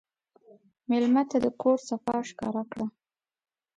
مېلمه ته د کور صفا ښکاره کړه.